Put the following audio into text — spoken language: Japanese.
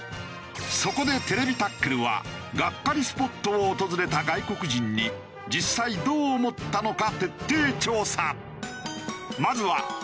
そこで『ＴＶタックル』はがっかりスポットを訪れた外国人に実際どう思ったのか徹底調査。